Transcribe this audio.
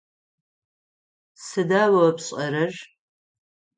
Сыда о пшӏэрэр?